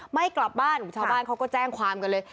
ไม่กลับบ้านชาวบ้านเขาก็แจ้งความกันเลย